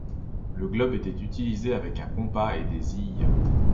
Le globe était utilisé avec un compas et des zij.